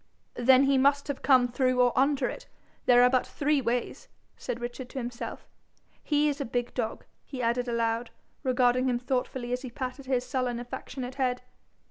'Then he must have come through or under it; there are but three ways,' said Richard to himself. 'He's a big dog,' he added aloud, regarding him thoughtfully as he patted his sullen affectionate head.